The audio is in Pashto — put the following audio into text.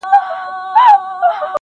چي پر سر د دروازې یې سره ګلاب کرلي دینه-